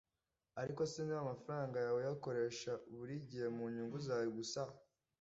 Ariko se niba amafaranga yawe uyakoresha buri gihe mu nyungu zawe gusa